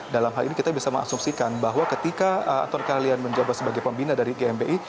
dalam hal ini kita bisa mengasumsikan bahwa ketika anton kalian menjabat sebagai pembina dari gmbi